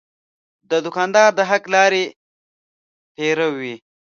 دوکاندار د حق لارې پیرو وي.